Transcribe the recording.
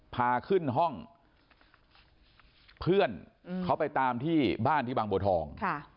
พาขึ้นห้องเพื่อนเขาไปตามที่บ้านที่บางบัวทอง